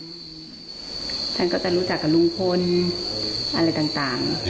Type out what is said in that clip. ท่านก็จะรู้จักกับลุงพลอะไรต่าง